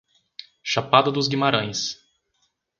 Chapada dos Guimarães